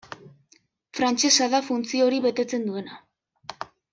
Frantsesa da funtzio hori betetzen duena.